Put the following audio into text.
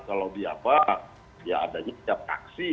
kalau di apa ya adanya setiap aksi